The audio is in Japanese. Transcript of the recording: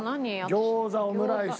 餃子オムライス。